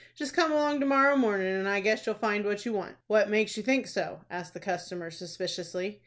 Just come along to morrow mornin', and I guess you'll find what you want." "What makes you think so?" asked the customer, suspiciously.